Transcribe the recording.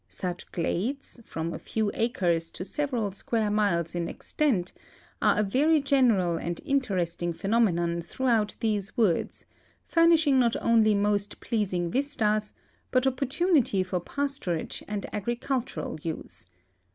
Such glades, from a few acres to several square miles in extent, are THE FORESTS AND DESERTS OF ARIZOXA 213 a very general and interesting phenomenon tliroughout tlie.se woods, furnishing not only most i)leasing vistas hut opportunity for pasturage and agricultural use.